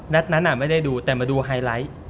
นั้นไม่ได้ดูแต่มาดูไฮไลท์